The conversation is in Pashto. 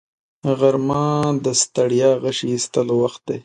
غرمه د ستړیا غشي ایستلو وخت دی